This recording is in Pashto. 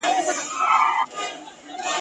که دي تڼۍ شلېدلي نه وي څوک دي څه پیژني !.